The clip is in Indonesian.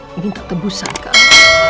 minta tebusan kak al